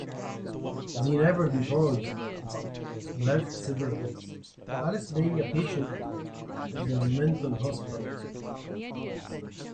They never divorced, but lived separated, Alice being a patient in a mental hospital.